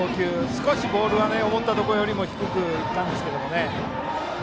少しボールは思ったところよりも低く行ったんですけどね